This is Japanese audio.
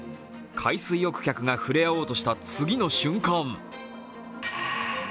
海水浴客がふれあおうとした次の瞬間